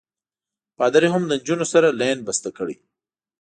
پادري هم له نجونو سره لین بسته کړی.